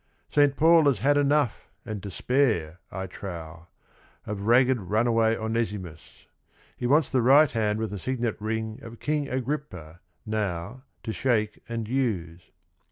," Saint Paul has had enough and to spare, I trow, Of ragged run away Onesimus : He wants the right hand with the signet ring Of King Agrippa, now, to shake and use."